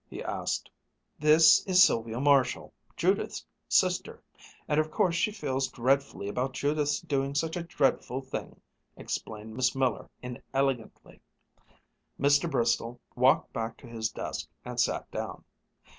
he asked. "This is Sylvia Marshall, Judith's sister, and of course she feels dreadfully about Judith's doing such a dreadful thing," explained Miss Miller inelegantly. Mr. Bristol walked back to his desk and sat down.